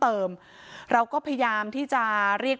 พูดใหญ่บ้านเคยขู่ถึงขั้นจะฆ่าให้ตายด้วยค่ะ